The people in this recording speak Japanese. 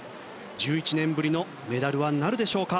１１年ぶりのメダルはなるでしょうか？